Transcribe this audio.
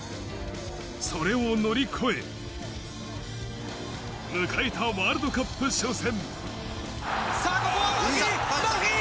それを乗り越え、迎えたワールドカップ初戦。